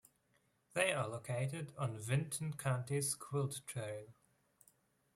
They are located on Vinton County's Quilt Trail.